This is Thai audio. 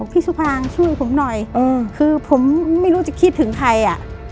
พี่สุภางช่วยผมหน่อยคือผมไม่รู้จะคิดถึงใครอ่ะ